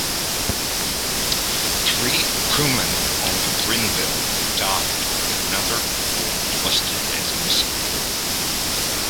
Three crewmen on the "Grenville" died and another four were listed as missing.